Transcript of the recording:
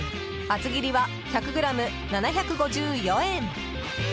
厚切りは１００ｇ７５４円。